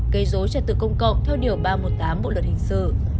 gây dối trật tự công cộng theo điều ba trăm một mươi tám bộ luật hình sự